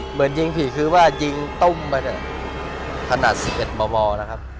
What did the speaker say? เหมือนยิงผีคือว่ายิงตุ้มมาเนี่ยขนาดสิบเอ็ดบอมอลนะครับ